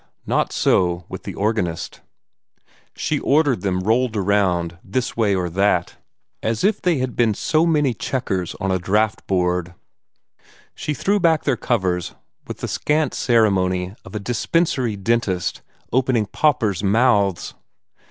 Not so with the organist. She ordered them rolled around this way or that, as if they had been so many checkers on a draught board. She threw back their covers with the scant ceremony of a dispensary dentist opening paupers' mouths.